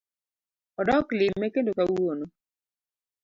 Odok lime kendo kawuono